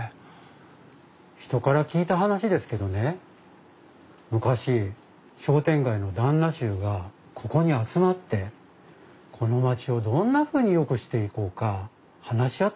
人から聞いた話ですけどね昔商店街の旦那衆がここに集まってこの街をどんなふうによくしていこうか話し合った場所らしいです。